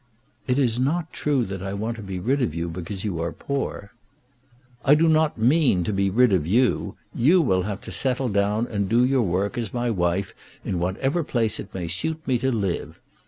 "It is not true that I want to be rid of you because you are poor." "I do not mean to be rid of you. You will have to settle down and do your work as my wife in whatever place it may suit me to live.